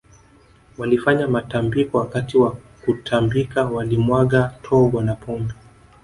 Walifanya matambiko Wakati wa kutambika walimwaga togwa na pombe